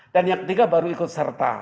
dan yang ketiga baru ikut serta